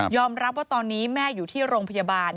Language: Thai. รับว่าตอนนี้แม่อยู่ที่โรงพยาบาล